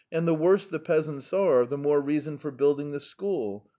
The worse the peasants are the more reason there is for building a school.